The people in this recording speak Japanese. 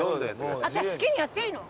私好きにやっていいの？